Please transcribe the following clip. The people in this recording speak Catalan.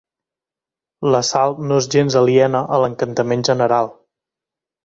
La Sal no és gens aliena a l'encantament general.